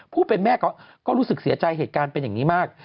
ผู้เป็นแม่ก็รู้สึกเสียใจเหตุการณ์เป็นอย่างนี้มาก